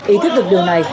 ý thức được điều này